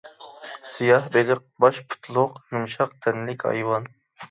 سىياھبېلىق باش پۇتلۇق يۇمشاق تەنلىك ھايۋان.